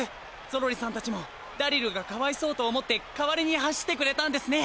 ゾロリさんたちもダリルがかわいそうと思って代わりに走ってくれたんですね。